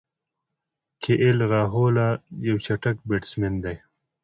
کی ایل راهوله یو چټک بیټسمېن دئ.